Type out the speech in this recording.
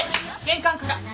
玄関から。